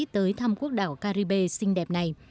tới thăm quốc đảo caribe xinh đẹp này